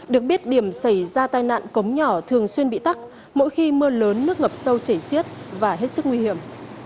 được biết điểm xảy ra tai nạn cống nhỏ thường xuyên bị tắt mỗi khi mưa lớn nước ngập sâu chảy xiết và hết sức nguy hiểm